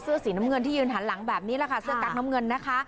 เสื้อสีน้ำเงินที่ยืนหันหลังแบบนี้แหละค่ะเสื้อกั๊กน้ำเงินนะคะ